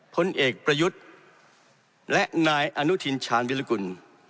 พลเอกประยุทธ์และนายอนุทินชาญวิรกุล